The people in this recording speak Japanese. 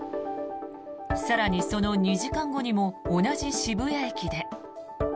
更にその２時間後にも同じ渋谷駅で。